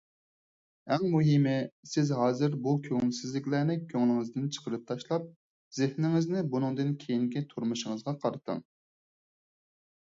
ئەڭ مۇھىمى، سىز ھازىر بۇ كۆڭۈلسىزلىكلەرنى كۆڭلىڭىزدىن چىقىرىپ تاشلاپ، زېھنىڭىزنى بۇنىڭدىن كېيىنكى تۇرمۇشىڭىزغا قارىتىڭ.